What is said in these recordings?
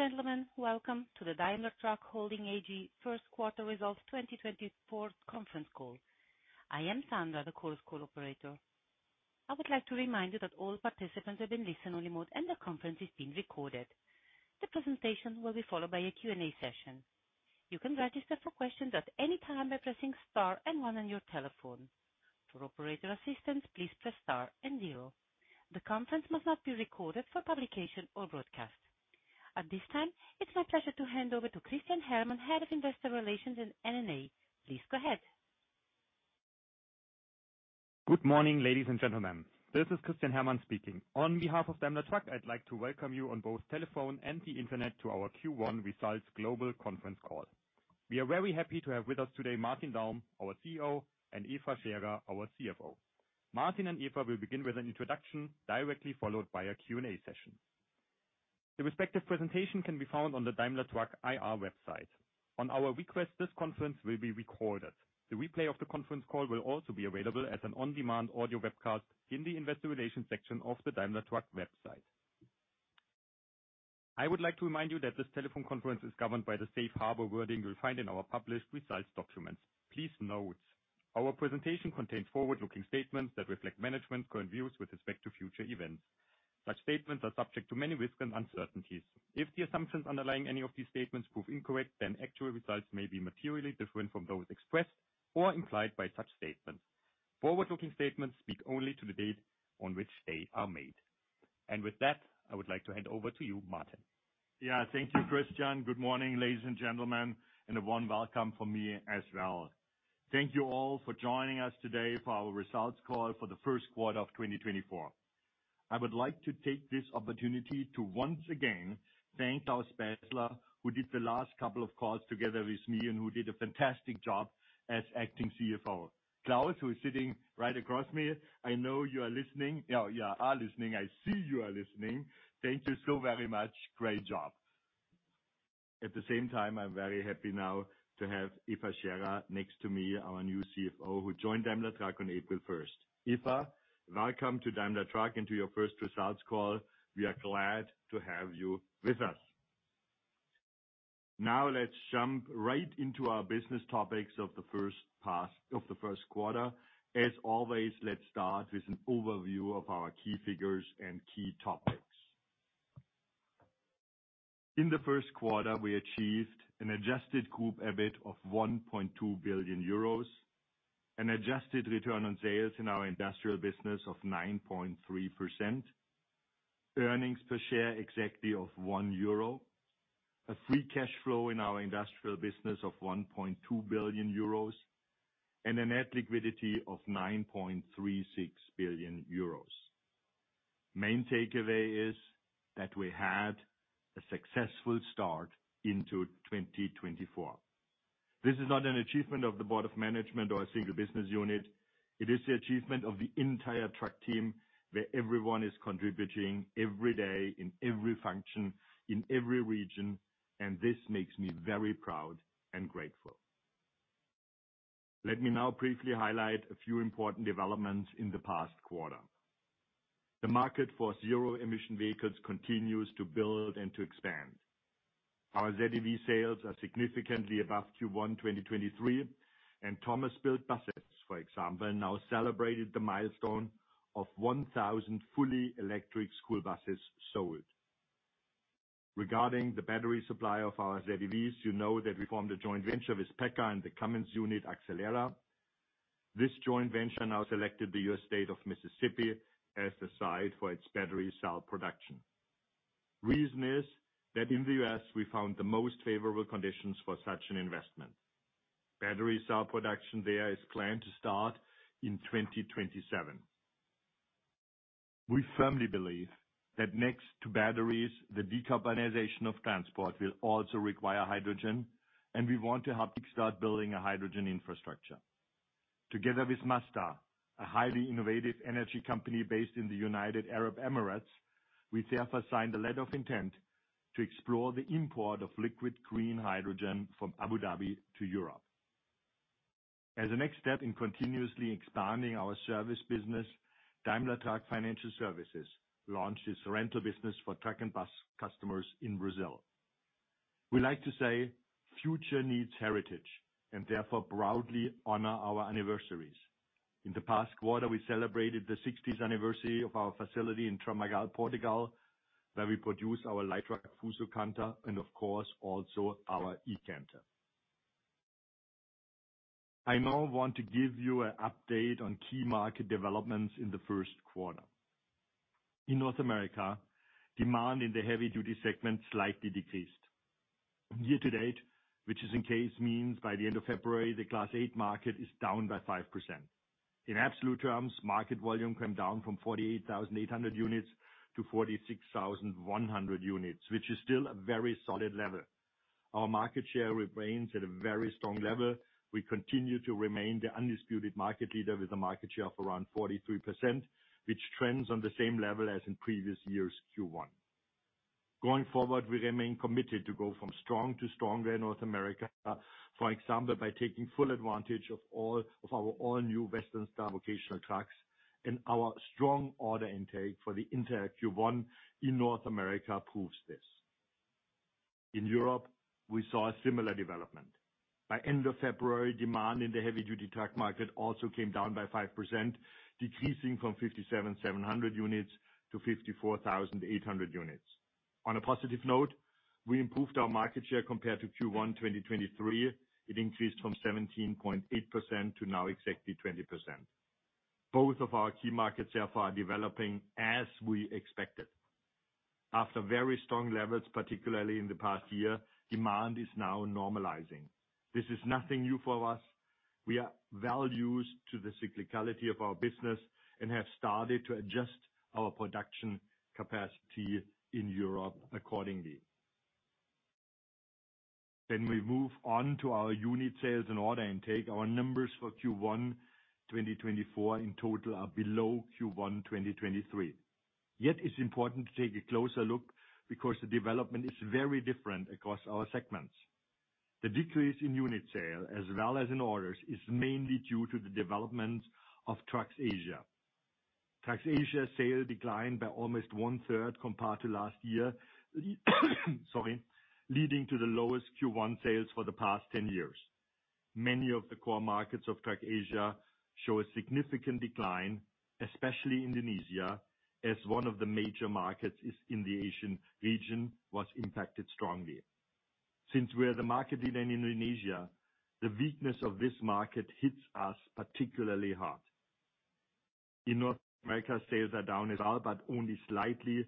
Ladies and gentlemen, welcome to the Daimler Truck Holding AG First Quarter Results 2024 conference call. I am Sandra, the call's call operator. I would like to remind you that all participants are in listen-only mode, and the conference is being recorded. The presentation will be followed by a Q&A session. You can register for questions at any time by pressing star and one on your telephone. For operator assistance, please press star and zero. The conference must not be recorded for publication or broadcast. At this time, it's my pleasure to hand over to Christian Herrmann, Head of Investor Relations and M&A. Please go ahead. Good morning, ladies and gentlemen. This is Christian Herrmann speaking. On behalf of Daimler Truck, I'd like to welcome you on both telephone and the Internet to our Q1 results global conference call. We are very happy to have with us today, Martin Daum, our CEO, and Eva Scherer, our CFO. Martin and Eva will begin with an introduction, directly followed by a Q&A session. The respective presentation can be found on the Daimler Truck IR website. On our request, this conference will be recorded. The replay of the conference call will also be available as an on-demand audio webcast in the Investor Relations section of the Daimler Truck website. I would like to remind you that this telephone conference is governed by the safe harbor wording you'll find in our published results documents. Please note, our presentation contains forward-looking statements that reflect management's current views with respect to future events. Such statements are subject to many risks and uncertainties. If the assumptions underlying any of these statements prove incorrect, then actual results may be materially different from those expressed or implied by such statements. Forward-looking statements speak only to the date on which they are made. With that, I would like to hand over to you, Martin. Yeah, thank you, Christian. Good morning, ladies and gentlemen, and a warm welcome from me as well. Thank you all for joining us today for our results call for the first quarter of 2024. I would like to take this opportunity to once again thank Claus Bässler, who did the last couple of calls together with me and who did a fantastic job as acting CFO. Claus, who is sitting right across me, I know you are listening. Oh, yeah, are listening. I see you are listening. Thank you so very much. Great job. At the same time, I'm very happy now to have Eva Scherer next to me, our new CFO, who joined Daimler Truck on April 1st. Eva, welcome to Daimler Truck and to your first results call. We are glad to have you with us. Now, let's jump right into our business topics of the first part of the first quarter. As always, let's start with an overview of our key figures and key topics. In the first quarter, we achieved an Adjusted group EBIT of 1.2 billion euros, an Adjusted return on sales in our industrial business of 9.3%, earnings per share exactly of 1 euro, a free cash flow in our industrial business of 1.2 billion euros, and a net liquidity of 9.36 billion euros. Main takeaway is that we had a successful start into 2024. This is not an achievement of the board of management or a single business unit. It is the achievement of the entire Truck team, where everyone is contributing every day, in every function, in every region, and this makes me very proud and grateful. Let me now briefly highlight a few important developments in the past quarter. The market for zero-emission vehicles continues to build and to expand. Our ZEV sales are significantly above Q1 2023, and Thomas Built Buses, for example, now celebrated the milestone of 1,000 fully electric school buses sold. Regarding the battery supply of our ZEVs, you know that we formed a joint venture with PACCAR and the Cummins unit, Accelera. This joint venture now selected the U.S. state of Mississippi as the site for its battery cell production. Reason is, that in the U.S., we found the most favorable conditions for such an investment. Battery cell production there is planned to start in 2027. We firmly believe that next to batteries, the decarbonization of transport will also require hydrogen, and we want to help start building a hydrogen infrastructure. Together with Masdar, a highly innovative energy company based in the United Arab Emirates, we therefore signed a letter of intent to explore the import of liquid green hydrogen from Abu Dhabi to Europe. As a next step in continuously expanding our service business, Daimler Truck Financial Services launches a rental business for truck and bus customers in Brazil. We like to say, "Future needs heritage," and therefore proudly honor our anniversaries. In the past quarter, we celebrated the sixtieth anniversary of our facility in Tramagal, Portugal, where we produce our light truck FUSO Canter and, of course, also our eCanter. I now want to give you an update on key market developments in the first quarter. In North America, demand in the heavy-duty segment slightly decreased. Year to date, which, in this case, means by the end of February, the Class 8 market is down by 5%. In absolute terms, market volume came down from 48,800 units to 46,100 units, which is still a very solid level. Our market share remains at a very strong level. We continue to remain the undisputed market leader with a market share of around 43%, which trends on the same level as in previous years' Q1. Going forward, we remain committed to go from strong to stronger in North America, for example, by taking full advantage of all, of our all-new Western Star vocational trucks... and our strong order intake for the entire Q1 in North America proves this. In Europe, we saw a similar development. By end of February, demand in the heavy duty truck market also came down by 5%, decreasing from 57,700 units to 54,800 units. On a positive note, we improved our market share compared to Q1 2023. It increased from 17.8% to now exactly 20%. Both of our key markets, therefore, are developing as we expected. After very strong levels, particularly in the past year, demand is now normalizing. This is nothing new for us. We are well used to the cyclicality of our business and have started to adjust our production capacity in Europe accordingly. Then we move on to our unit sales and order intake. Our numbers for Q1 2024, in total, are below Q1 2023. Yet, it's important to take a closer look because the development is very different across our segments. The decrease in unit sale, as well as in orders, is mainly due to the development of Trucks Asia. Trucks Asia sales declined by almost one-third compared to last year, sorry, leading to the lowest Q1 sales for the past 10 years. Many of the core markets of Trucks Asia show a significant decline, especially Indonesia, as one of the major markets in the Asian region, was impacted strongly. Since we are the market leader in Indonesia, the weakness of this market hits us particularly hard. In North America, sales are down as well, but only slightly.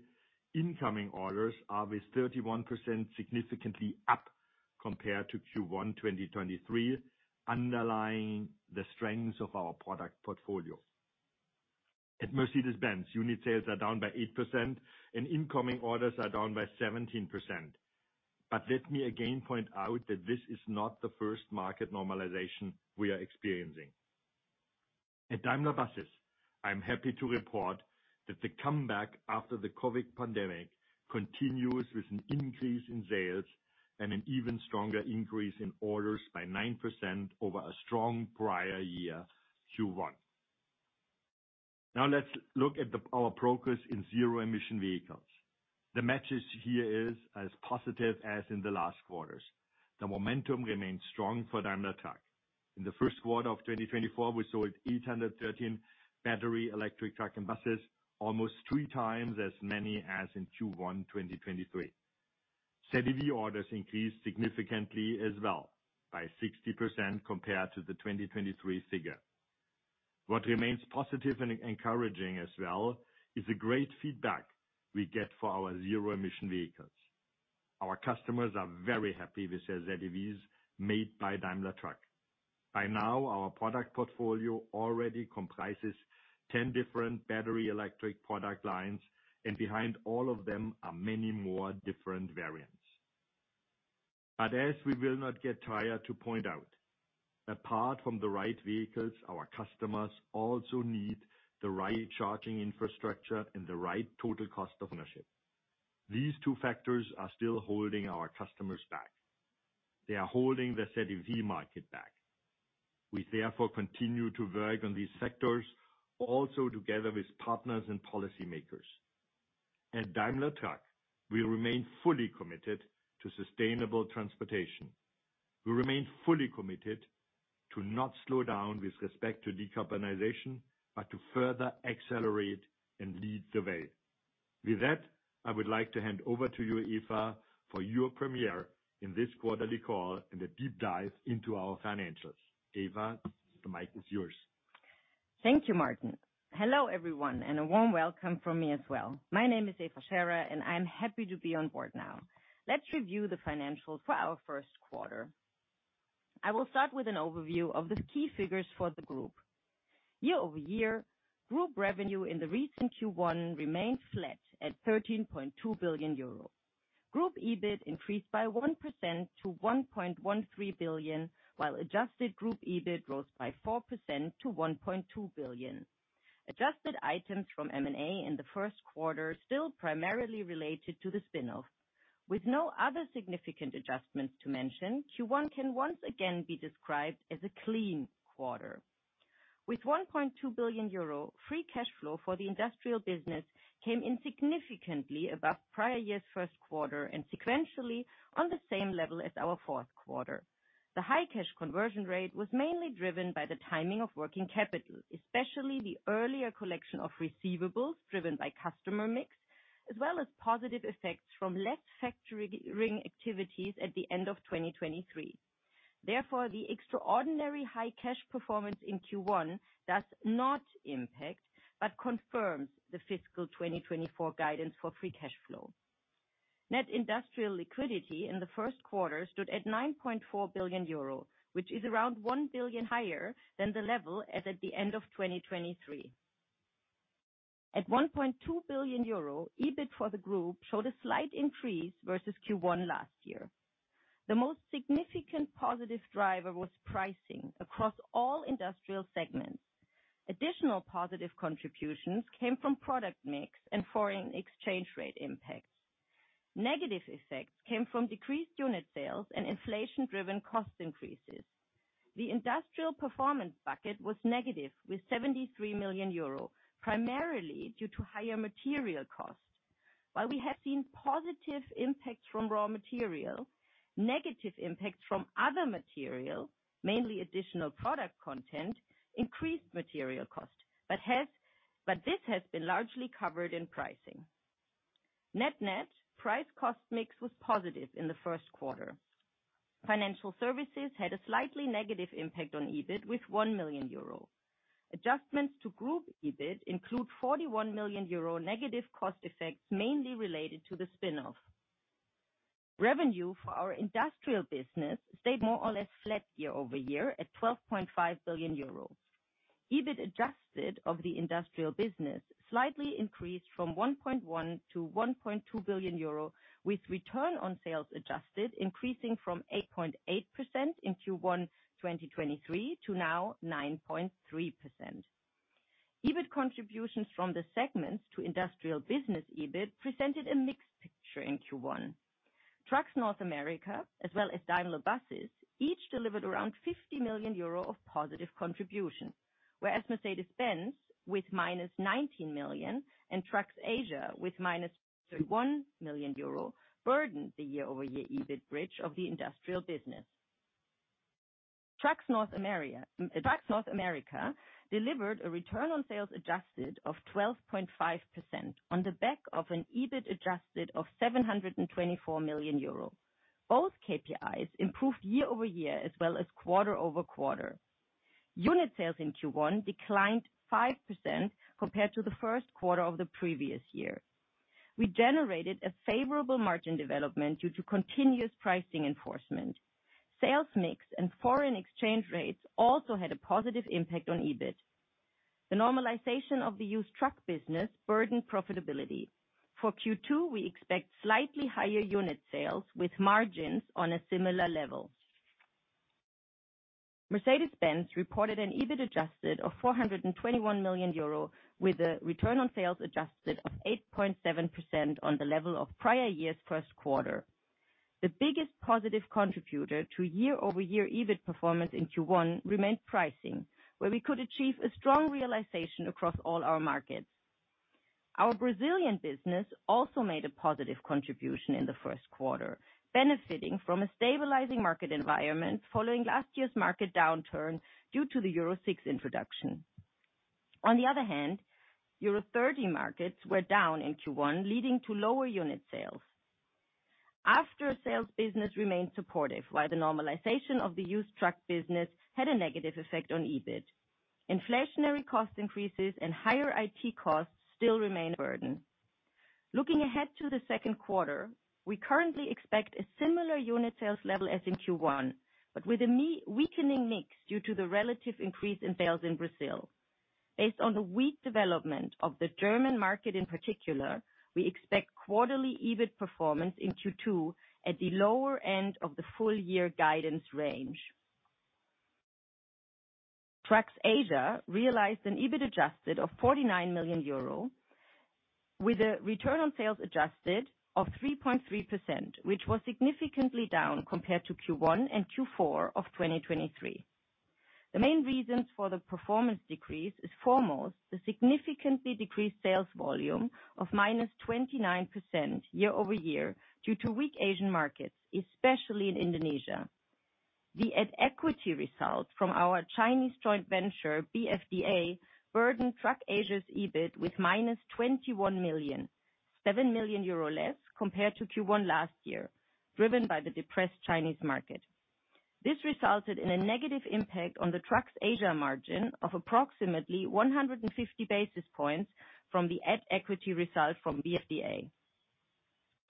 Incoming orders are, with 31%, significantly up compared to Q1 2023, underlying the strengths of our product portfolio. At Mercedes-Benz, unit sales are down by 8%, and incoming orders are down by 17%. Let me again point out that this is not the first market normalization we are experiencing. At Daimler Buses, I'm happy to report that the comeback after the COVID pandemic continues with an increase in sales and an even stronger increase in orders by 9% over a strong prior year, Q1. Now, let's look at our progress in zero emission vehicles. The message here is as positive as in the last quarters. The momentum remains strong for Daimler Truck. In the first quarter of 2024, we sold 813 battery electric truck and buses, almost three times as many as in Q1 2023. ZEV orders increased significantly as well, by 60% compared to the 2023 figure. What remains positive and encouraging as well is the great feedback we get for our zero emission vehicles. Our customers are very happy with the ZEVs made by Daimler Truck. By now, our product portfolio already comprises 10 different battery electric product lines, and behind all of them are many more different variants. But as we will not get tired to point out, apart from the right vehicles, our customers also need the right charging infrastructure and the right total cost of ownership. These two factors are still holding our customers back. They are holding the ZEV market back. We, therefore, continue to work on these sectors, also together with partners and policymakers. At Daimler Truck, we remain fully committed to sustainable transportation. We remain fully committed to not slow down with respect to decarbonization, but to further accelerate and lead the way. With that, I would like to hand over to you, Eva, for your premiere in this quarterly call and a deep dive into our financials. Eva, the mic is yours. Thank you, Martin. Hello, everyone, and a warm welcome from me as well. My name is Eva Scherer, and I'm happy to be on board now. Let's review the financials for our first quarter. I will start with an overview of the key figures for the group. Year-over-year, group revenue in the recent Q1 remained flat at 13.2 billion euro. Group EBIT increased by 1% to 1.13 billion, while Adjusted group EBIT rose by 4% to 1.2 billion. Adjusted items from M&A in the first quarter still primarily related to the spin-off. With no other significant adjustments to mention, Q1 can once again be described as a clean quarter. With 1.2 billion euro, free cash flow for the industrial business came in significantly above prior year's first quarter, and sequentially on the same level as our fourth quarter. The high cash conversion rate was mainly driven by the timing of working capital, especially the earlier collection of receivables, driven by customer mix, as well as positive effects from less factoring activities at the end of 2023. Therefore, the extraordinary high cash performance in Q1 does not impact, but confirms the fiscal 2024 guidance for free cash flow. Net industrial liquidity in the first quarter stood at 9.4 billion euro, which is around 1 billion higher than the level as at the end of 2023. At 1.2 billion euro, EBIT for the group showed a slight increase versus Q1 last year. The most significant positive driver was pricing across all industrial segments. Additional positive contributions came from product mix and foreign exchange rate impacts. Negative effects came from decreased unit sales and inflation-driven cost increases. The industrial performance bucket was negative, with 73 million euro, primarily due to higher material costs. While we have seen positive impacts from raw materials, negative impacts from other material, mainly additional product content, increased material cost, but this has been largely covered in pricing. Net-net, price cost mix was positive in the first quarter. Financial services had a slightly negative impact on EBIT with 1 million euro. Adjustments to group EBIT include 41 million euro negative cost effects, mainly related to the spin-off. Revenue for our industrial business stayed more or less flat year-over-year at 12.5 billion euros. EBIT adjusted of the industrial business slightly increased from 1.1 billion to 1.2 billion euro, with return on sales adjusted, increasing from 8.8% in Q1 2023 to now 9.3%. EBIT contributions from the segments to industrial business EBIT presented a mixed picture in Q1. Trucks North America, as well as Daimler Buses, each delivered around 50 million euro of positive contribution, whereas Mercedes-Benz, with -19 million and Trucks Asia with -31 million euro, burdened the year-over-year EBIT bridge of the industrial business. Trucks North America delivered a return on sales adjusted of 12.5% on the back of an EBIT adjusted of 724 million euro. Both KPIs improved year-over-year as well as quarter-over-quarter. Unit sales in Q1 declined 5% compared to the first quarter of the previous year. We generated a favorable margin development due to continuous pricing enforcement. Sales mix and foreign exchange rates also had a positive impact on EBIT. The normalization of the used truck business burdened profitability. For Q2, we expect slightly higher unit sales with margins on a similar level. Mercedes-Benz reported an EBIT adjusted of 421 million euro, with a return on sales adjusted of 8.7% on the level of prior year's first quarter. The biggest positive contributor to year-over-year EBIT performance in Q1 remained pricing, where we could achieve a strong realization across all our markets. Our Brazilian business also made a positive contribution in the first quarter, benefiting from a stabilizing market environment following last year's market downturn due to the Euro 6 introduction. On the other hand, EU30 markets were down in Q1, leading to lower unit sales. After sales business remained supportive, while the normalization of the used truck business had a negative effect on EBIT. Inflationary cost increases and higher IT costs still remain a burden. Looking ahead to the second quarter, we currently expect a similar unit sales level as in Q1, but with a weakening mix due to the relative increase in sales in Brazil. Based on the weak development of the German market, in particular, we expect quarterly EBIT performance in Q2 at the lower end of the full year guidance range. Trucks Asia realized an EBIT adjusted of 49 million euro, with a return on sales adjusted of 3.3%, which was significantly down compared to Q1 and Q4 of 2023. The main reasons for the performance decrease is foremost the significantly decreased sales volume of -29% year-over-year, due to weak Asian markets, especially in Indonesia. The at equity result from our Chinese joint venture, BFDA, burdened Trucks Asia's EBIT with -21 million, 7 million euro less compared to Q1 last year, driven by the depressed Chinese market. This resulted in a negative impact on the Trucks Asia margin of approximately 150 basis points from the at equity result from BFDA.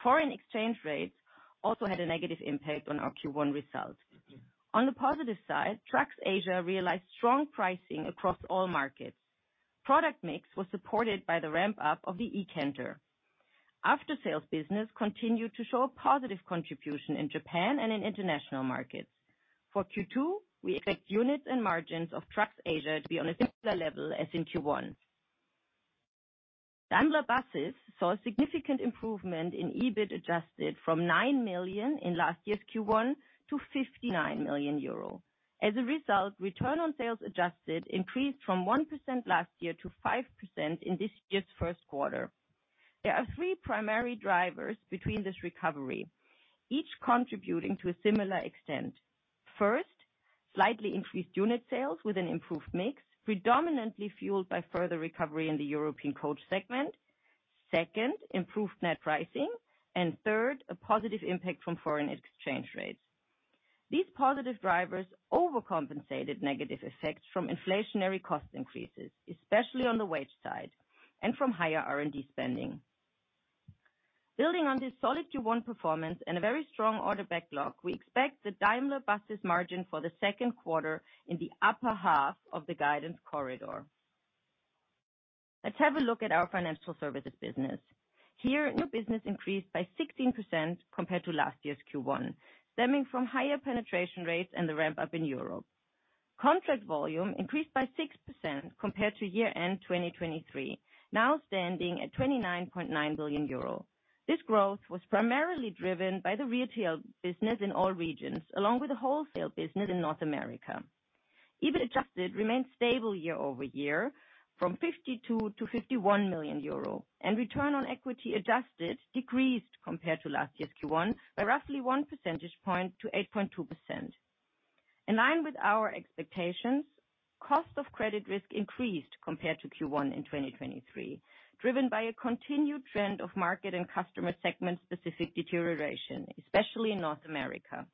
Foreign exchange rates also had a negative impact on our Q1 results. On the positive side, Trucks Asia realized strong pricing across all markets. Product mix was supported by the ramp-up of the eCanter. After sales business continued to show a positive contribution in Japan and in international markets. For Q2, we expect units and margins of Trucks Asia to be on a similar level as in Q1. Daimler Buses saw a significant improvement in EBIT, adjusted from 9 million in last year's Q1 to 59 million euro. As a result, return on sales adjusted increased from 1% last year to 5% in this year's first quarter. There are three primary drivers between this recovery, each contributing to a similar extent. First, slightly increased unit sales with an improved mix, predominantly fueled by further recovery in the European coach segment. Second, improved net pricing, and third, a positive impact from foreign exchange rates. These positive drivers overcompensated negative effects from inflationary cost increases, especially on the wage side and from higher R&D spending. Building on this solid Q1 performance and a very strong order backlog, we expect the Daimler Buses margin for the second quarter in the upper half of the guidance corridor. Let's have a look at our financial services business. Here, new business increased by 16% compared to last year's Q1, stemming from higher penetration rates and the ramp-up in Europe.... Contract volume increased by 6% compared to year-end 2023, now standing at 29.9 billion euro. This growth was primarily driven by the retail business in all regions, along with the wholesale business in North America. EBITDA adjusted remained stable year-over-year from 52 million to 51 million euro, and return on equity adjusted decreased compared to last year's Q1 by roughly one percentage point to 8.2%. In line with our expectations, cost of credit risk increased compared to Q1 in 2023, driven by a continued trend of market and customer segment specific deterioration, especially in North America.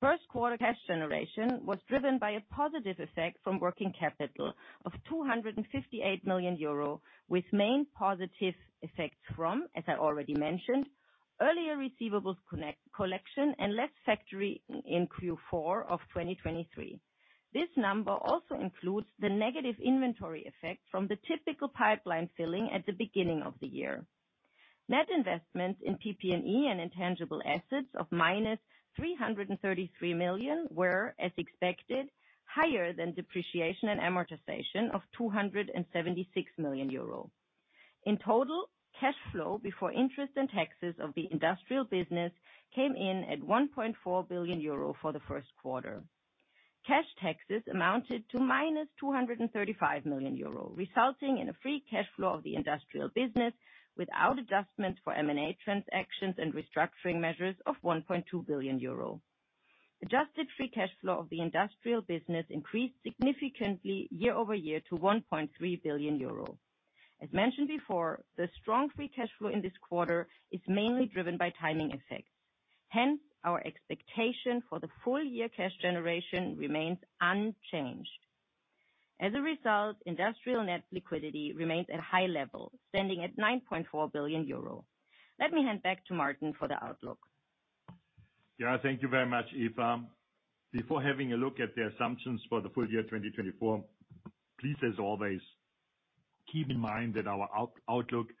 First quarter cash generation was driven by a positive effect from working capital of 258 million euro, with main positive effects from, as I already mentioned, earlier receivables collection and less factoring in Q4 of 2023. This number also includes the negative inventory effect from the typical pipeline filling at the beginning of the year. Net investments in PP&E and intangible assets of -333 million were, as expected, higher than depreciation and amortization of 276 million euro. In total, cash flow before interest and taxes of the industrial business came in at 1.4 billion euro for the first quarter. Cash taxes amounted to -235 million euro, resulting in a free cash flow of the industrial business without adjustment for M&A transactions and restructuring measures of 1.2 billion euro. Adjusted free cash flow of the industrial business increased significantly year-over-year to 1.3 billion euro. As mentioned before, the strong free cash flow in this quarter is mainly driven by timing effects. Hence, our expectation for the full year cash generation remains unchanged. As a result, industrial net liquidity remains at high level, standing at 9.4 billion euro. Let me hand back to Martin for the outlook. Yeah, thank you very much, Eva. Before having a look at the assumptions for the full year 2024, please, as always, keep in mind that our outlook is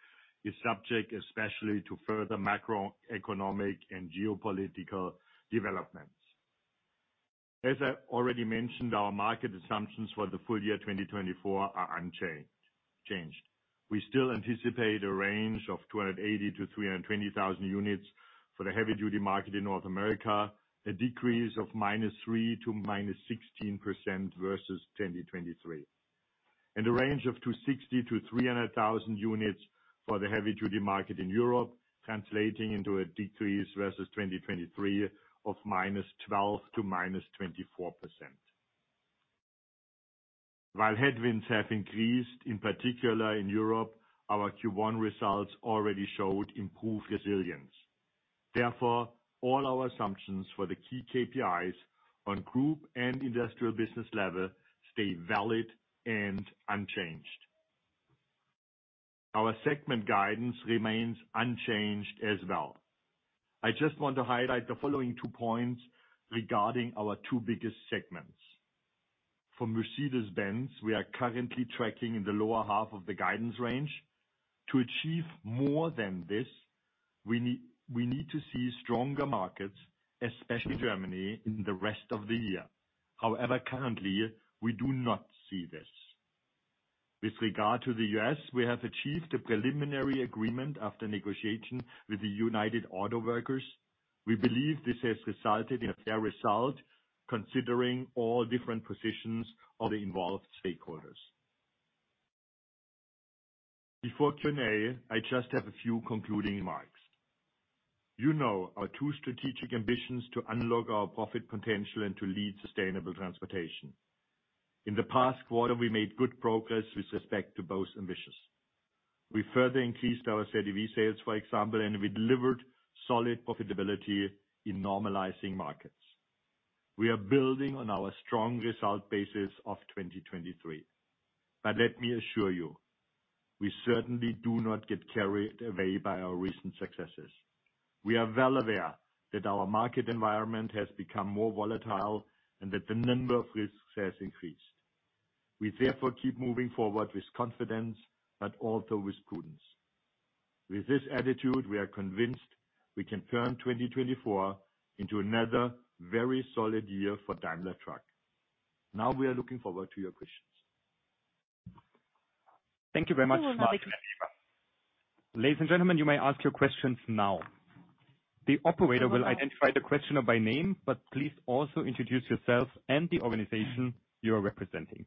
subject especially to further macroeconomic and geopolitical developments. As I already mentioned, our market assumptions for the full year 2024 are unchanged. We still anticipate a range of 280,000-320,000 units for the heavy-duty market in North America, a decrease of -3%-16% versus 2023. A range of 260,000-300,000 units for the heavy-duty market in Europe, translating into a decrease versus 2023 of -12%-24%. While headwinds have increased, in particular in Europe, our Q1 results already showed improved resilience. Therefore, all our assumptions for the key KPIs on group and industrial business level stay valid and unchanged. Our segment guidance remains unchanged as well. I just want to highlight the following two points regarding our two biggest segments. For Mercedes-Benz, we are currently tracking in the lower half of the guidance range. To achieve more than this, we need to see stronger markets, especially Germany, in the rest of the year. However, currently, we do not see this. With regard to the U.S., we have achieved a preliminary agreement after negotiation with the United Auto Workers. We believe this has resulted in a fair result, considering all different positions of the involved stakeholders. Before Q&A, I just have a few concluding remarks. You know, our two strategic ambitions to unlock our profit potential and to lead sustainable transportation. In the past quarter, we made good progress with respect to both ambitions. We further increased our ZEV sales, for example, and we delivered solid profitability in normalizing markets. We are building on our strong result basis of 2023. But let me assure you, we certainly do not get carried away by our recent successes. We are well aware that our market environment has become more volatile and that the number of risks has increased. We therefore keep moving forward with confidence, but also with prudence. With this attitude, we are convinced we can turn 2024 into another very solid year for Daimler Truck. Now, we are looking forward to your questions. Thank you very much, Martin. Ladies and gentlemen, you may ask your questions now. The operator will identify the questioner by name, but please also introduce yourself and the organization you are representing.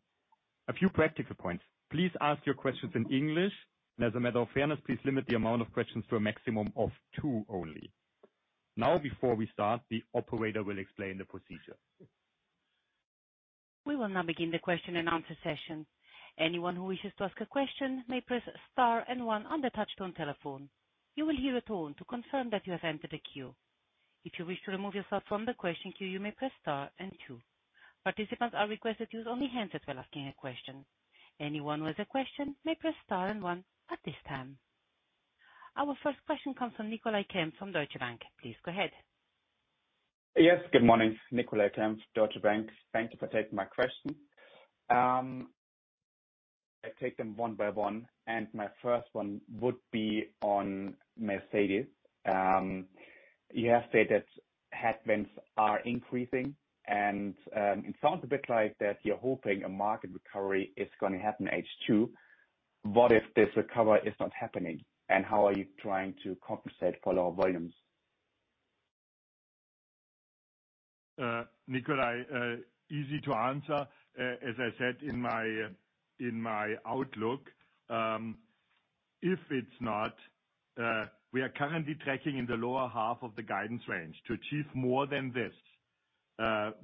A few practical points: Please ask your questions in English, and as a matter of fairness, please limit the amount of questions to a maximum of two only. Now, before we start, the operator will explain the procedure. We will now begin the question and answer session. Anyone who wishes to ask a question may press star and one on the touchtone telephone. You will hear a tone to confirm that you have entered the queue. If you wish to remove yourself from the question queue, you may press star and two. Participants are requested to use only hands that were asking a question. Anyone with a question may press star and one at this time. Our first question comes from Nikolai Kern from Deutsche Bank. Please go ahead. Yes, good morning, Nikolai Kern, Deutsche Bank. Thank you for taking my question. I take them one by one, and my first one would be on Mercedes. You have said that headwinds are increasing, and it sounds a bit like that you're hoping a market recovery is gonna happen H2. What if this recovery is not happening, and how are you trying to compensate for lower volumes? Nikolai, easy to answer. As I said in my outlook, if it's not, we are currently tracking in the lower half of the guidance range. To achieve more than this,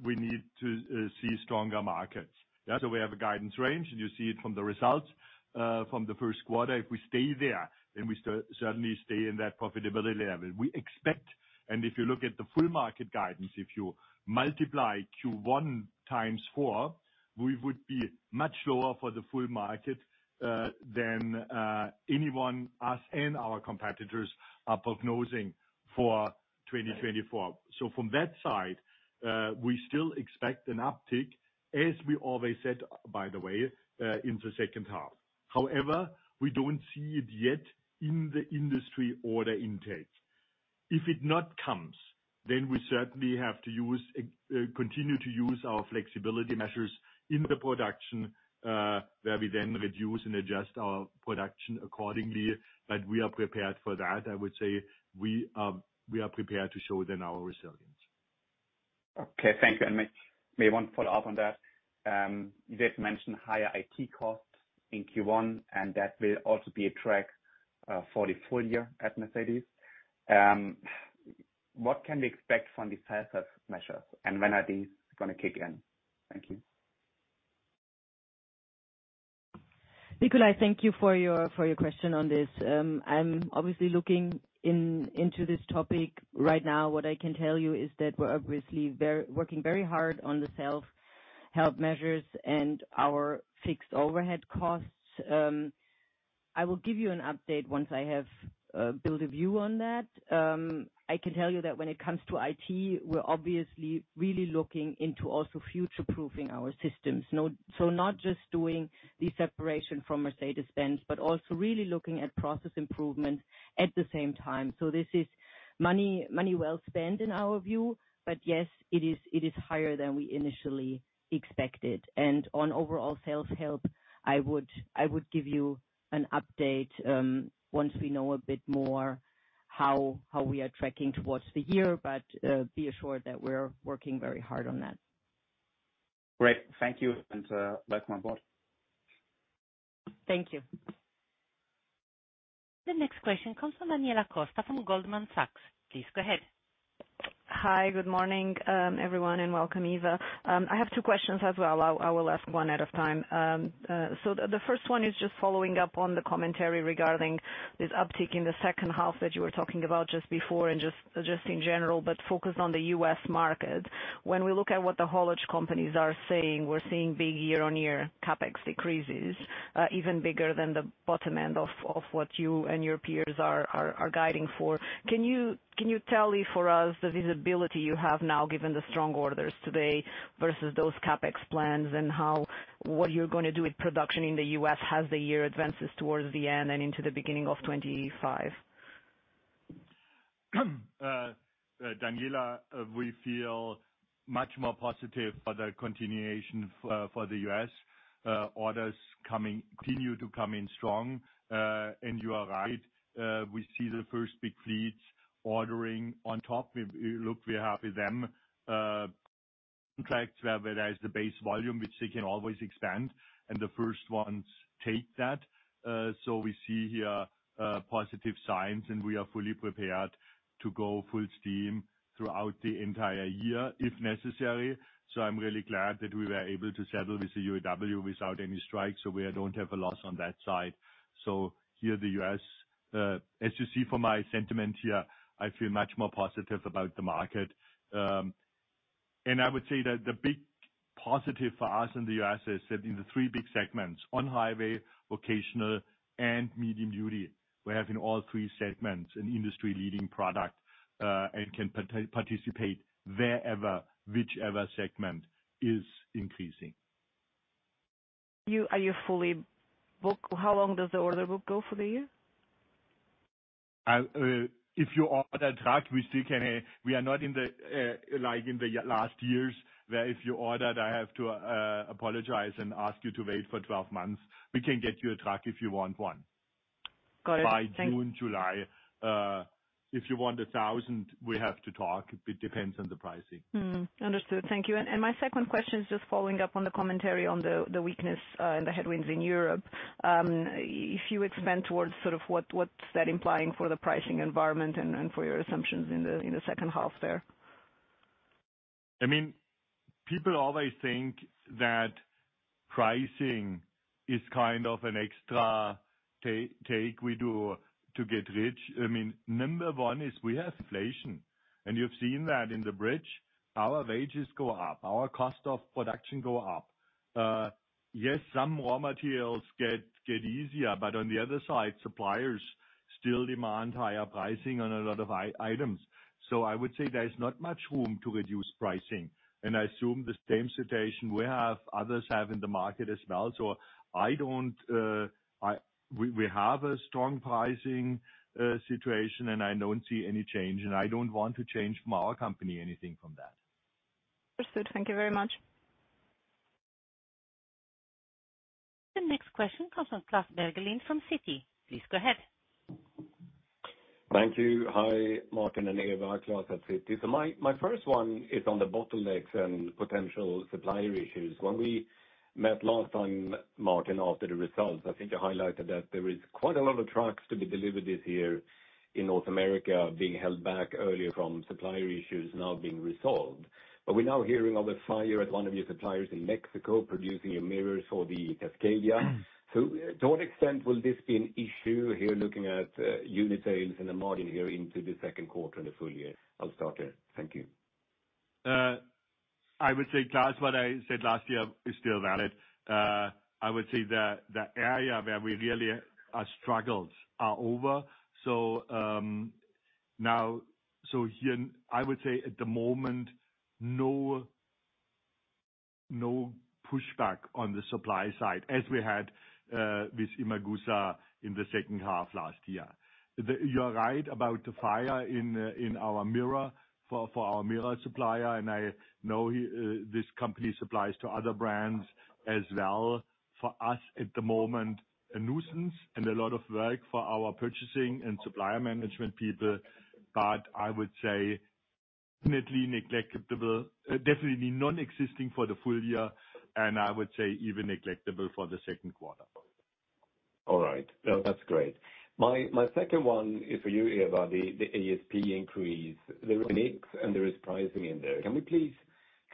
we need to see stronger markets. That's why we have a guidance range, and you see it from the results from the first quarter. If we stay there, then we certainly stay in that profitability level. We expect, and if you look at the full market guidance, if you multiply Q1 times four, we would be much lower for the full market than anyone, us and our competitors, are prognostic for 2024. So from that side, we still expect an uptick, as we always said, by the way, in the second half. However, we don't see it yet in the industry order intake. If it not comes, then we certainly have to use, continue to use our flexibility measures in the production, where we then reduce and adjust our production accordingly. But we are prepared for that. I would say we, we are prepared to show then our resilience. Okay, thank you. May want to follow up on that. You just mentioned higher IT costs in Q1, and that will also be a drag for the full year at Mercedes. What can we expect from the cost-saving measures, and when are these gonna kick in? Thank you. Nikolai, thank you for your, for your question on this. I'm obviously looking into this topic right now. What I can tell you is that we're obviously very working very hard on the self-help measures and our fixed overhead costs. I will give you an update once I have built a view on that. I can tell you that when it comes to IT, we're obviously really looking into also future-proofing our systems. So not just doing the separation from Mercedes-Benz, but also really looking at process improvement at the same time. So this is money, money well spent, in our view. But yes, it is, it is higher than we initially expected. On overall sales help, I would give you an update once we know a bit more how we are tracking towards the year, but be assured that we're working very hard on that. Great. Thank you, and welcome on board. Thank you. The next question comes from Daniela Costa from Goldman Sachs. Please go ahead. Hi, good morning, everyone, and welcome, Eva. I have two questions as well. I will ask one at a time. So the first one is just following up on the commentary regarding this uptick in the second half that you were talking about just before, and just in general, but focused on the U.S. market. When we look at what the haulage companies are saying, we're seeing big year-on-year CapEx decreases, even bigger than the bottom end of what you and your peers are guiding for. Can you tell us the visibility you have now, given the strong orders today versus those CapEx plans, and how... What you're gonna do with production in the U.S. as the year advances towards the end and into the beginning of 2025? Daniella, we feel much more positive for the continuation for the US. Orders coming continue to come in strong. And you are right, we see the first big fleets ordering on top. We look, we are happy with them. Contracts where there is the base volume, which they can always expand, and the first ones take that. So we see here positive signs, and we are fully prepared to go full steam throughout the entire year, if necessary. So I'm really glad that we were able to settle with the UAW without any strikes, so we don't have a loss on that side. So here, the US, as you see from my sentiment here, I feel much more positive about the market. And I would say that the big positive for us in the US is that in the three big segments, on-highway, vocational, and medium duty, we're having all three segments an industry-leading product, and can participate wherever, whichever segment is increasing. Are you fully booked? How long does the order book go for the year? If you order a truck, we still can. We are not in the, like, in the last years, where if you ordered, I have to apologize and ask you to wait for 12 months. We can get you a truck if you want one. Got it. Thank- By June, July. If you want 1,000, we have to talk. It depends on the pricing. Mm, understood. Thank you. And, and my second question is just following up on the commentary on the, the weakness, and the headwinds in Europe. If you expand towards sort of what, what's that implying for the pricing environment and, and for your assumptions in the, in the second half there? I mean, people always think that pricing is kind of an extra take we do to get rich. I mean, number one is we have inflation, and you've seen that in the bridge. Our wages go up, our cost of production go up. Yes, some raw materials get easier, but on the other side, suppliers still demand higher pricing on a lot of items. So I would say there is not much room to reduce pricing, and I assume the same situation we have, others have in the market as well. So, we have a strong pricing situation, and I don't see any change, and I don't want to change from our company anything from that. Understood. Thank you very much. The next question comes from Klas Bergelind from Citi. Please go ahead. Thank you. Hi, Martin and Eva, Klas at Citi. So my, my first one is on the bottlenecks and potential supplier issues. When we met last time, Martin, after the results, I think you highlighted that there is quite a lot of trucks to be delivered this year in North America, being held back earlier from supplier issues now being resolved. But we're now hearing of a fire at one of your suppliers in Mexico, producing your mirrors for the Cascadia. So to what extent will this be an issue here, looking at unit sales and the margin here into the second quarter and the full year? I'll start there. Thank you. I would say, Klas, what I said last year is still valid. I would say that the area where we really struggles are over. So, now, so here, I would say at the moment, no, no pushback on the supply side as we had with Imagoosa in the second half last year. You are right about the fire in our mirror for our mirror supplier, and I know he, this company supplies to other brands as well. For us, at the moment, a nuisance and a lot of work for our purchasing and supplier management people, but I would say definitely negligible, definitely non-existent for the full year, and I would say even negligible for the second quarter. All right. Yeah. Well, that's great. My second one is for you, Eva, the ASP increase. There are... and there is pricing in there. Can we please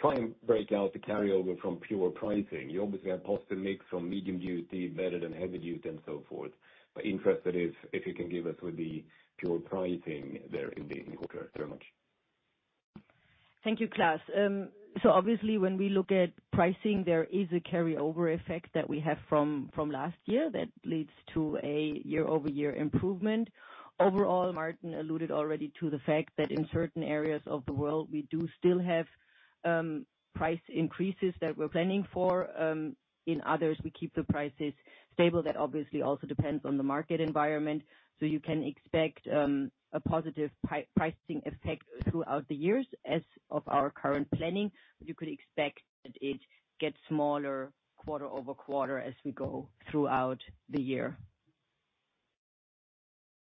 try and break out the carryover from pure pricing? You obviously have positive mix from medium duty, better than heavy duty and so forth, but interested if you can give us with the pure pricing there in the.... Thank you very much. Thank you, Klas. So obviously, when we look at pricing, there is a carryover effect that we have from last year that leads to a year-over-year improvement. Overall, Martin alluded already to the fact that in certain areas of the world, we do still have price increases that we're planning for. In others, we keep the prices stable. That obviously also depends on the market environment. So you can expect a positive pricing effect throughout the years. As of our current planning, you could expect that it gets smaller quarter over quarter as we go throughout the year.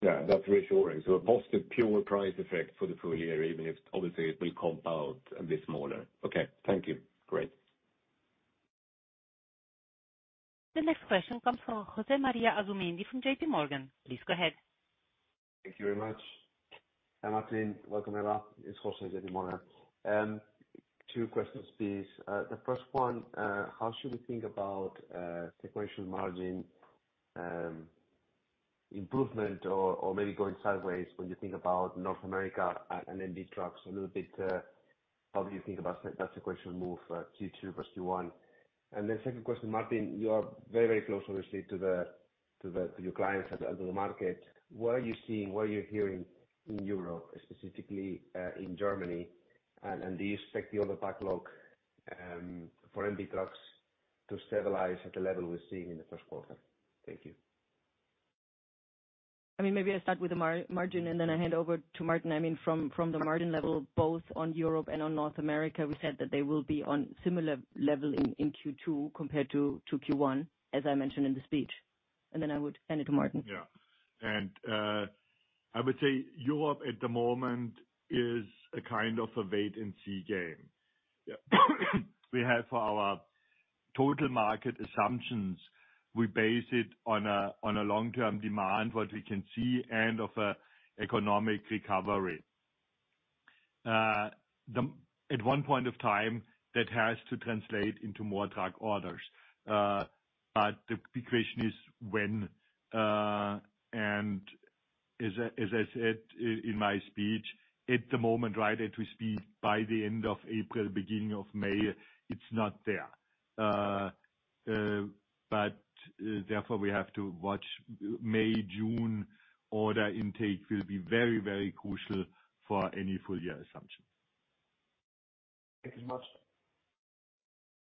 Yeah, that's reassuring. So a positive pure price effect for the full year, even if obviously it will compound a bit smaller. Okay, thank you. Great. The next question comes from José María Asumendi from J.P. Morgan. Please go ahead. Thank you very much, and Martin, welcome, Eva. It's José at Morgan. Two questions, please. The first one, how should we think about, sequential margin, improvement or, or maybe going sideways when you think about North America and, and MB Trucks a little bit, how do you think about that sequential move, Q2 versus Q1? And then second question, Martin, you are very, very close, obviously, to the, to the- your clients and to the market. What are you seeing? What are you hearing in Europe, specifically, in Germany? And, and do you expect the order backlog, for MB Trucks to stabilize at the level we're seeing in the first quarter? Thank you. I mean, maybe I start with the margin, and then I hand over to Martin. I mean, from the margin level, both on Europe and on North America, we said that they will be on similar level in Q2 compared to Q1, as I mentioned in the speech, and then I would hand it to Martin. Yeah. And, I would say Europe, at the moment, is a kind of a wait-and-see game. Yeah. We have our total market assumptions. We base it on a, on a long-term demand, what we can see, and of a economic recovery. At one point of time, that has to translate into more truck orders, but the big question is when, and as I, as I said in my speech, at the moment, right as we speak, by the end of April, beginning of May, it's not there. But, therefore, we have to watch May, June order intake will be very, very crucial for any full year assumptions. Thank you much.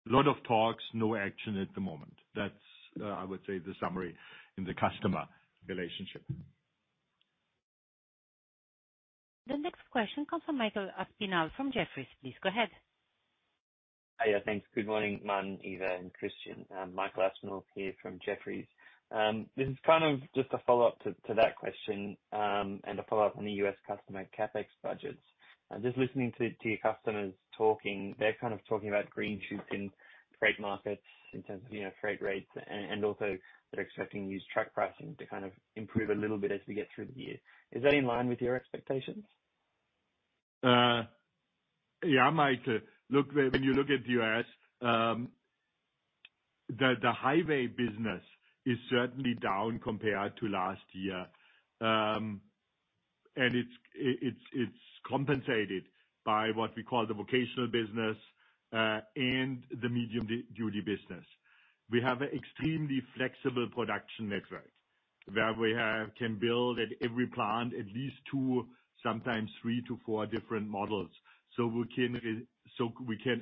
A lot of talks, no action at the moment. That's, I would say, the summary in the customer relationship. The next question comes from Michael Aspinall from Jefferies. Please go ahead. Hi, yeah, thanks. Good morning, Martin, Eva, and Christian. Michael Aspinall here from Jefferies. This is kind of just a follow-up to that question, and a follow-up on the U.S. customer CapEx budgets. Just listening to your customers talking, they're kind of talking about green shoots in freight markets, in terms of, you know, freight rates and also they're expecting used truck pricing to kind of improve a little bit as we get through the year. Is that in line with your expectations? Yeah, Mike, look, when you look at U.S., the highway business is certainly down compared to last year. It's compensated by what we call the vocational business, and the medium-duty business. We have an extremely flexible production network, where we can build at every plant at least two, sometimes three to four different models. So we can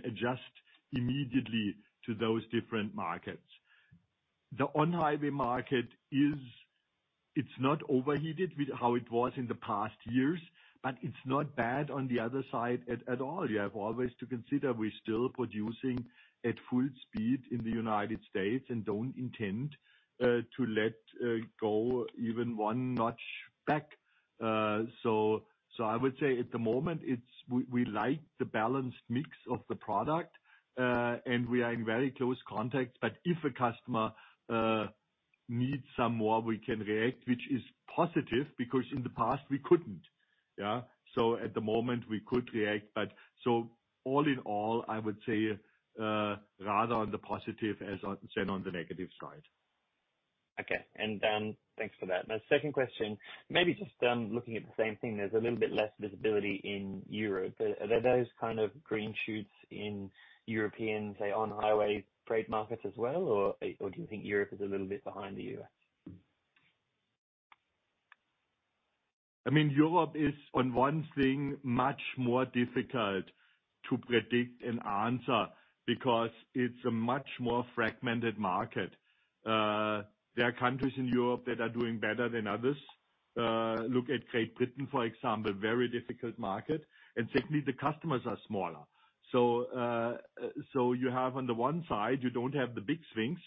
adjust immediately to those different markets. The on-highway market is not overheated with how it was in the past years, but it's not bad on the other side at all. You have always to consider we're still producing at full speed in the United States and don't intend to let go even one notch back. So, I would say at the moment, it's—we like the balanced mix of the product, and we are in very close contact. But if a customer needs some more, we can react, which is positive, because in the past we couldn't. Yeah? So at the moment, we could react, but so all in all, I would say, rather on the positive as on—than on the negative side. Okay. Thanks for that. Now, second question, maybe just looking at the same thing, there's a little bit less visibility in Europe. Are those kind of green shoots in European, say, on-highway trade markets as well, or do you think Europe is a little bit behind the U.S.? I mean, Europe is, on one thing, much more difficult to predict and answer because it's a much more fragmented market. There are countries in Europe that are doing better than others. Look at Great Britain, for example, very difficult market, and secondly, the customers are smaller. So, so you have on the one side, you don't have the big swings.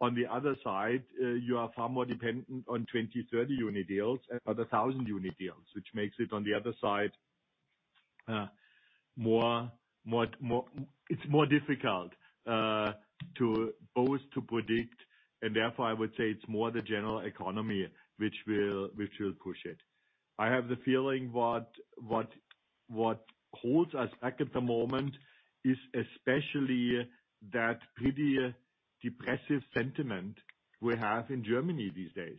On the other side, you are far more dependent on 20, 30-unit deals than on the 1,000-unit deals, which makes it, on the other side, more difficult to both to predict, and therefore, I would say it's more the general economy which will push it. I have the feeling what holds us back at the moment is especially that pretty depressive sentiment we have in Germany these days.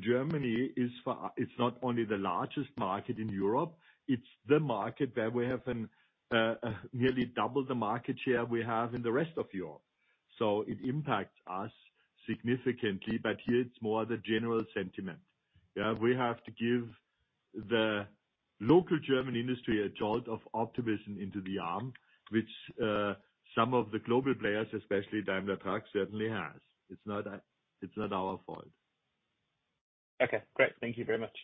Germany is far—it's not only the largest market in Europe, it's the market where we have an nearly double the market share we have in the rest of Europe. It impacts us significantly, but here it's more the general sentiment. Yeah, we have to give the local German industry a jolt of optimism into the arm, which some of the global players, especially Daimler Truck, certainly has. It's not our, it's not our fault. Okay, great. Thank you very much.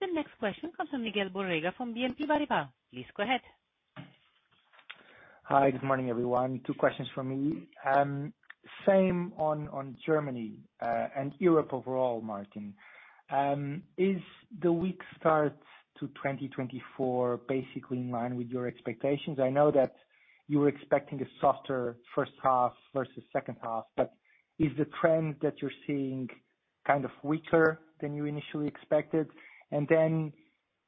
The next question comes from Miguel Borrega, from BNP Paribas. Please go ahead. Hi, good morning, everyone. Two questions from me. Same on Germany and Europe overall, Martin. Is the weak start to 2024 basically in line with your expectations? I know that you were expecting a softer first half versus second half, but is the trend that you're seeing kind of weaker than you initially expected? And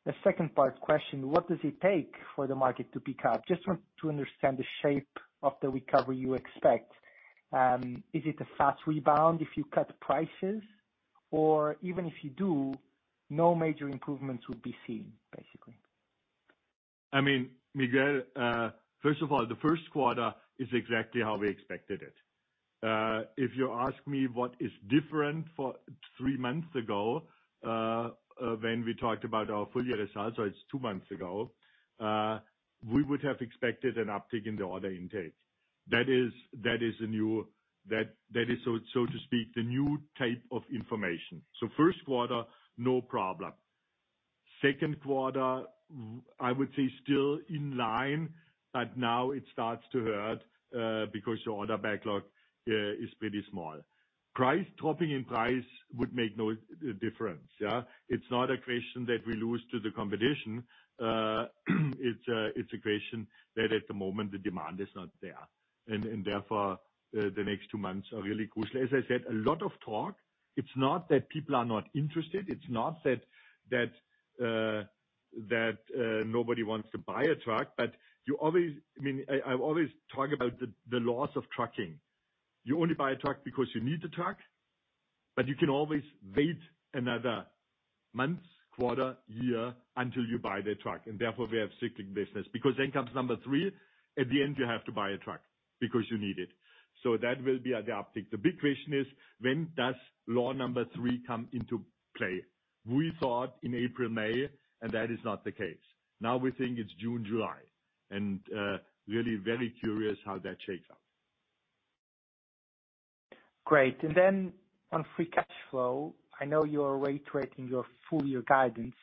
then the second part question, what does it take for the market to pick up? Just want to understand the shape of the recovery you expect. Is it a fast rebound if you cut prices? Or even if you do, no major improvements would be seen, basically. I mean, Miguel, first of all, the first quarter is exactly how we expected it. If you ask me what is different for three months ago, when we talked about our full year results, so it's two months ago, we would have expected an uptick in the order intake. That is a new... That is, so to speak, the new type of information. So first quarter, no problem. Second quarter, I would say still in line, but now it starts to hurt, because your order backlog is pretty small. Price dropping in price would make no difference, yeah? It's not a question that we lose to the competition, it's a question that at the moment, the demand is not there, and therefore, the next two months are really crucial. As I said, a lot of talk. It's not that people are not interested. It's not that, that, that, nobody wants to buy a truck, but you always—I mean, I, I always talk about the, the laws of trucking. You only buy a truck because you need the truck, but you can always wait another month, quarter, year, until you buy the truck, and therefore, we have cyclical business. Because then comes number three, at the end, you have to buy a truck because you need it. So that will be adapting. The big question is: When does law number three come into play? We thought in April, May, and that is not the case. Now, we think it's June, July, and, really very curious how that shakes out. Great. And then on free cash flow, I know you are reiterating your full year guidance.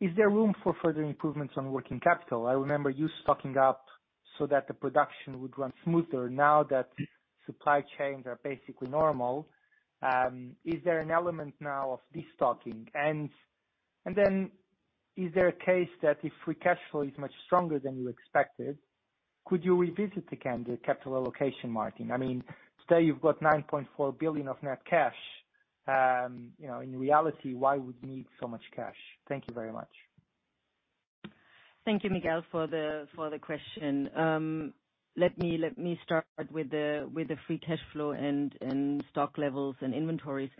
Is there room for further improvements on working capital? I remember you stocking up so that the production would run smoother. Now that supply chains are basically normal, is there an element now of destocking? And, and then is there a case that if free cash flow is much stronger than you expected, could you revisit again the capital allocation margin? I mean, today you've got 9.4 billion of net cash. You know, in reality, why would you need so much cash? Thank you very much.... Thank you, Miguel, for the question. Let me start with the free cash flow and stock levels and inventories.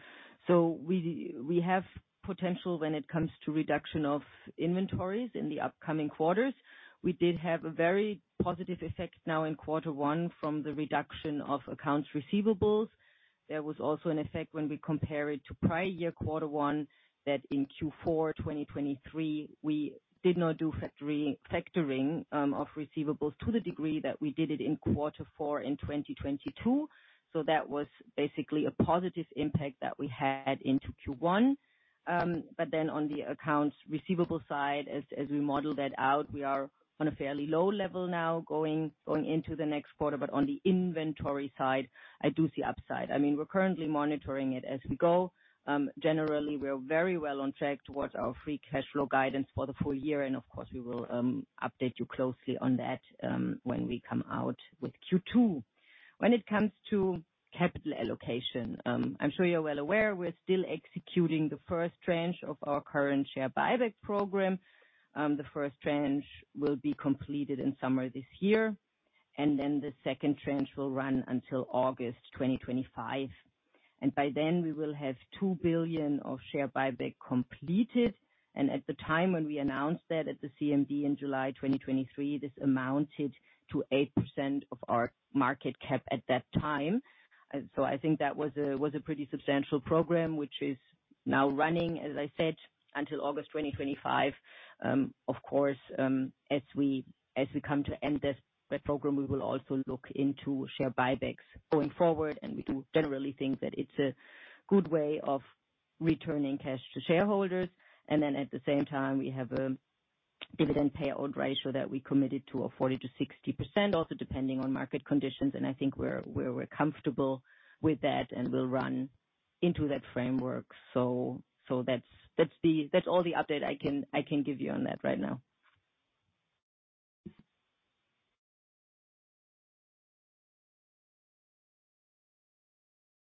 So we have potential when it comes to reduction of inventories in the upcoming quarters. We did have a very positive effect now in quarter one from the reduction of accounts receivables. There was also an effect when we compare it to prior year quarter one, that in Q4 2023, we did not do factoring of receivables to the degree that we did it in quarter four in 2022. So that was basically a positive impact that we had into Q1. But then on the accounts receivable side, as we model that out, we are on a fairly low level now, going into the next quarter. But on the inventory side, I do see upside. I mean, we're currently monitoring it as we go. Generally, we are very well on track towards our free cash flow guidance for the full year, and of course, we will update you closely on that when we come out with Q2. When it comes to capital allocation, I'm sure you're well aware, we're still executing the first tranche of our current share buyback program. The first tranche will be completed in summer this year, and then the second tranche will run until August 2025. By then, we will have 2 billion of share buyback completed. At the time when we announced that at the CMD in July 2023, this amounted to 8% of our market cap at that time. So I think that was a pretty substantial program, which is now running, as I said, until August 2025. Of course, as we come to end this, the program, we will also look into share buybacks going forward, and we do generally think that it's a good way of returning cash to shareholders. And then, at the same time, we have a dividend payout ratio that we committed to a 40%-60%, also depending on market conditions, and I think we're comfortable with that, and we'll run into that framework. So that's. That's all the update I can give you on that right now.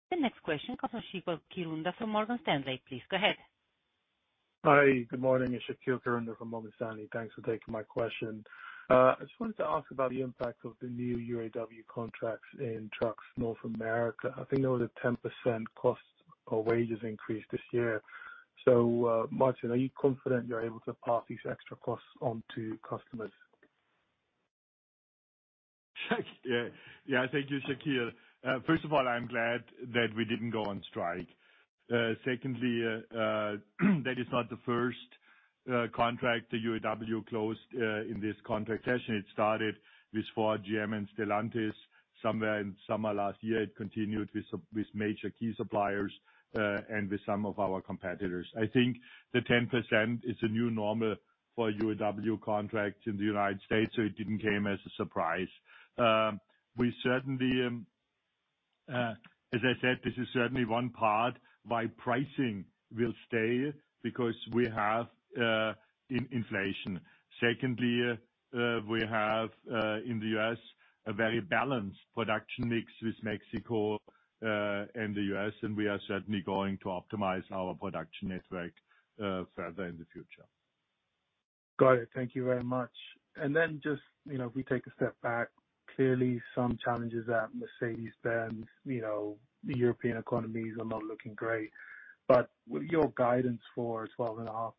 The next question comes from Shaqeal Kirunda from Morgan Stanley. Please go ahead. Hi, good morning. It's Shaqeal Kirunda from Morgan Stanley. Thanks for taking my question. I just wanted to ask about the impact of the new UAW contracts in Trucks North America. I think there was a 10% cost or wages increase this year. So, Martin, are you confident you're able to pass these extra costs on to customers? Yeah. Yeah, thank you, Shaqeal. First of all, I'm glad that we didn't go on strike. Secondly, that is not the first contract the UAW closed in this contract session. It started with Ford, GM, and Stellantis somewhere in summer last year. It continued with sup- with major key suppliers and with some of our competitors. I think the 10% is a new normal for UAW contracts in the United States, so it didn't came as a surprise. We certainly, as I said, this is certainly one part why pricing will stay, because we have in inflation. Secondly, we have in the US, a very balanced production mix with Mexico and the US, and we are certainly going to optimize our production network further in the future. Got it. Thank you very much. And then just, you know, if we take a step back, clearly some challenges at Mercedes-Benz, you know, the European economies are not looking great. But with your guidance for 12.5%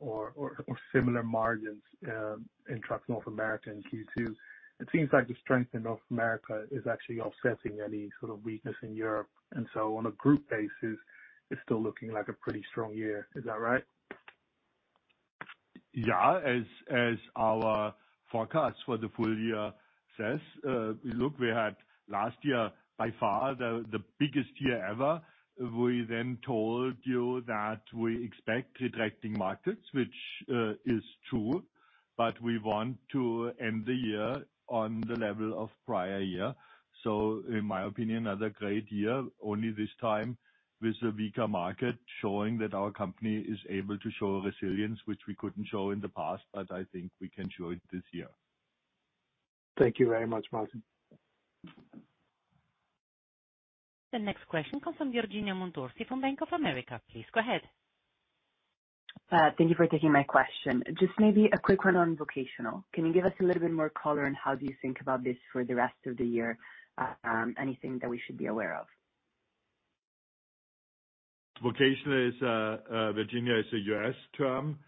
or similar margins in Truck North America in Q2, it seems like the strength in North America is actually offsetting any sort of weakness in Europe. And so on a group basis, it's still looking like a pretty strong year. Is that right? Yeah, as our forecast for the full year says, look, we had last year, by far, the biggest year ever. We then told you that we expect contracting markets, which is true, but we want to end the year on the level of prior year. So in my opinion, another great year, only this time with a weaker market, showing that our company is able to show resilience, which we couldn't show in the past, but I think we can show it this year. Thank you very much, Martin. The next question comes from Virginia Montorsi of Bank of America. Please go ahead. Thank you for taking my question. Just maybe a quick one on vocational. Can you give us a little bit more color on how do you think about this for the rest of the year? Anything that we should be aware of? Vocational is, Virginia, is a U.S. term,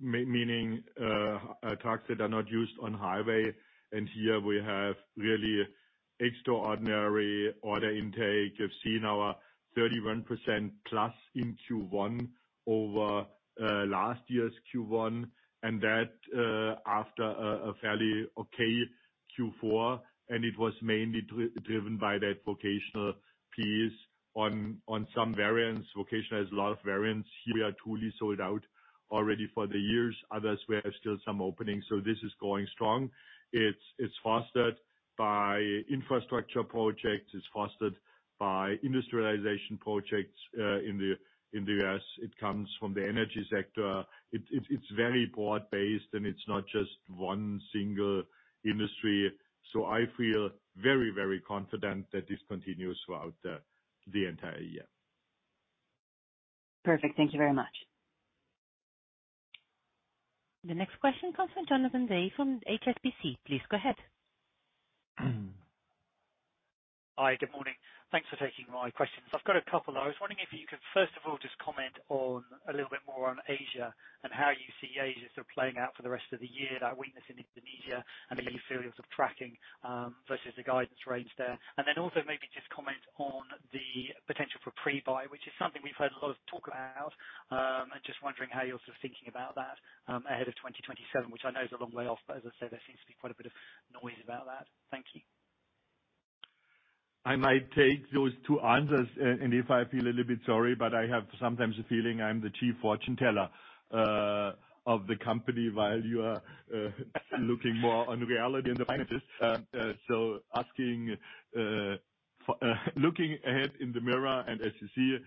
meaning trucks that are not used on highway. And here we have really extraordinary order intake. You've seen our 31% plus in Q1 over last year's Q1, and that after a fairly okay Q4, and it was mainly driven by that vocational piece. On some variants, vocational has a lot of variants. Here, we are truly sold out already for the years. Others, we have still some openings, so this is going strong. It's fostered by infrastructure projects. It's fostered by industrialization projects in the U.S. It comes from the energy sector. It's very broad-based, and it's not just one single industry. So I feel very, very confident that this continues throughout the entire year.... Perfect. Thank you very much. The next question comes from Jonathan Yip from HSBC. Please go ahead. Hi, good morning. Thanks for taking my questions. I've got a couple. I was wondering if you could first of all, just comment on a little bit more on Asia and how you see Asia sort of playing out for the rest of the year, that weakness in Indonesia, and then you feel sort of tracking versus the guidance range there. And then also maybe just comment on the potential for pre-buy, which is something we've heard a lot of talk about. And just wondering how you're sort of thinking about that ahead of 2027, which I know is a long way off, but as I said, there seems to be quite a bit of noise about that. Thank you. I might take those two answers, and if I feel a little bit sorry, but I have sometimes the feeling I'm the chief fortune teller of the company, while you are looking more on reality in the practice. So, looking ahead in the mirror and as you see,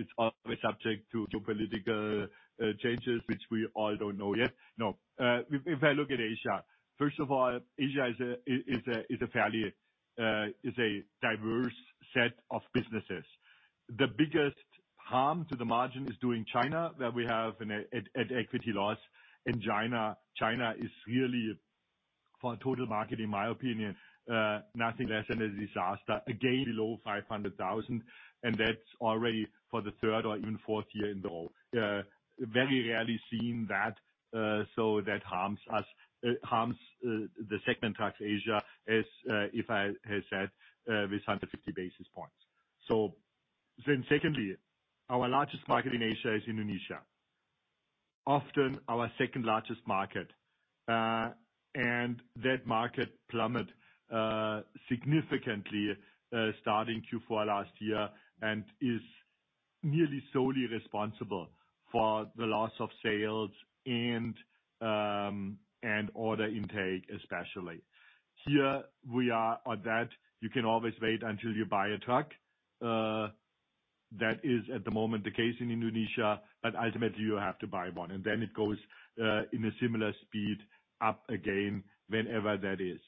is always subject to geopolitical changes, which we all don't know yet. No, if I look at Asia, first of all, Asia is a fairly diverse set of businesses. The biggest harm to the margin is doing China, where we have an equity loss in China. China is really, for a total market, in my opinion, nothing less than a disaster. Again, below 500,000, and that's already for the third or even fourth year in a row. Very rarely seen that, so that harms us, harms the Trucks Asia segment, as I have said, with 150 basis points. So then secondly, our largest market in Asia is Indonesia, often our second largest market, and that market plummeted significantly, starting Q4 last year, and is nearly solely responsible for the loss of sales and order intake, especially. Here, we are on that. You can always wait until you buy a truck. That is, at the moment, the case in Indonesia, but ultimately, you have to buy one, and then it goes in a similar speed up again, whenever that is.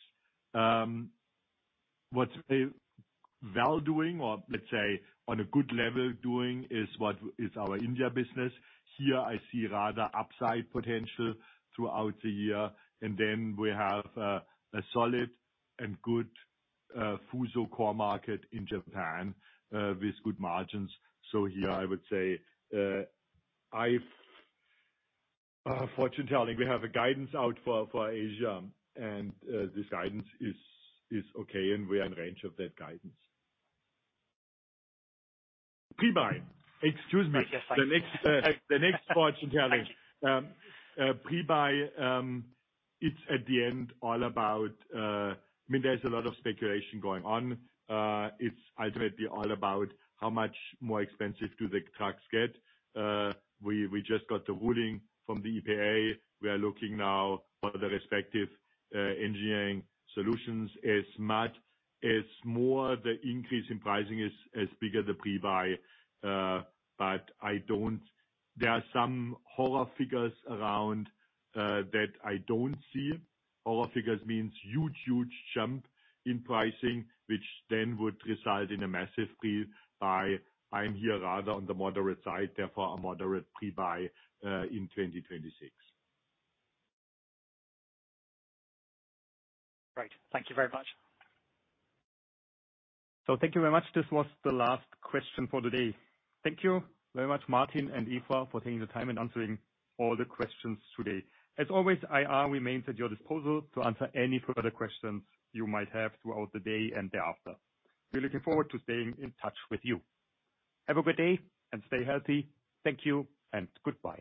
What's doing well, or let's say on a good level, is our India business. Here, I see rather upside potential throughout the year, and then we have a solid and good FUSO core market in Japan with good margins. So here I would say, without fortune telling, we have a guidance out for Asia, and this guidance is okay, and we are in range of that guidance. Pre-buy. Excuse me. I guess I... The next, the next fortune telling. Pre-buy, it's at the end, all about... I mean, there's a lot of speculation going on. It's ultimately all about how much more expensive do the trucks get. We just got the ruling from the EPA. We are looking now for the respective engineering solutions. As much, as more the increase in pricing is, as bigger the pre-buy, but I don't. There are some horror figures around that I don't see. Horror figures means huge, huge jump in pricing, which then would result in a massive pre-buy. I'm here rather on the moderate side, therefore, a moderate pre-buy in 2026. Great. Thank you very much. Thank you very much. This was the last question for today. Thank you very much, Martin and Eva, for taking the time and answering all the questions today. As always, IR remains at your disposal to answer any further questions you might have throughout the day and thereafter. We're looking forward to staying in touch with you. Have a good day, and stay healthy. Thank you and goodbye.